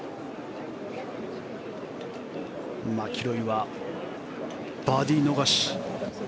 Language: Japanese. マキロイはバーディー逃し。